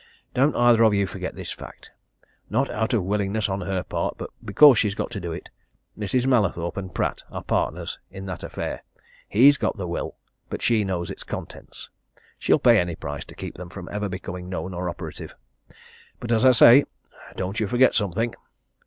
Don't either of you forget this fact. Not out of willingness on her part, but because she's got to do it, Mrs. Mallathorpe and Pratt are partners in that affair. He's got the will but she knows its contents. She'll pay any price to Pratt to keep them from ever becoming known or operative. But, as I say, don't you forget something!"